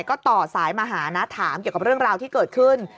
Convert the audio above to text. ก็ต่อสายมาหานะถามเกี่ยวกับเรื่องราวที่เกิดขึ้น